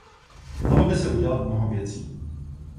Dalo by se udělat mnoho věcí.